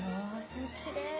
きれい。